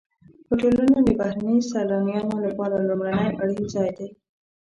هوټلونه د بهرنیو سیلانیانو لپاره لومړنی اړین ځای دی.